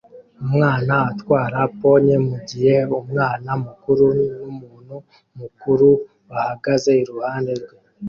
Umwana atwara pony mugihe umwana mukuru numuntu mukuru bahagaze iruhande rwe